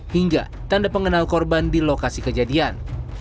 hingga tanda pengenal korban di lokasi kejadian